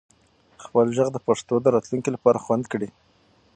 خپل ږغ د پښتو د راتلونکي لپاره خوندي کړئ.